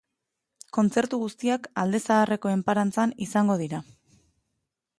Kontzertu guztiak alde zaharreko enparantzan izango dira.